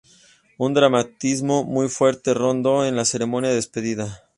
Un dramatismo muy fuerte rondó en la Ceremonia de Despedida.